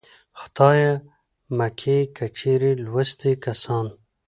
خدايه مکې که چېرې لوستي کسان